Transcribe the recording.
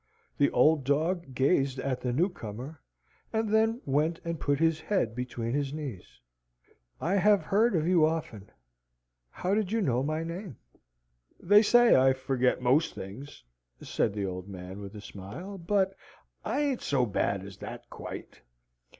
The old dog gazed at the new comer, and then went and put his head between his knees. "I have heard of you often. How did you know my name?" "They say I forget most things," says the old man, with a smile; "but I ain't so bad as that quite.